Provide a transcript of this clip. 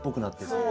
そう。